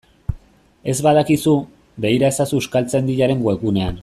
Ez badakizu, begira ezazu Euskaltzaindiaren webgunean.